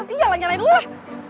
iya lah nyalain dulu lah